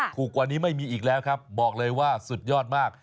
กว่านี้ไม่มีอีกแล้วครับบอกเลยว่าสุดยอดมาก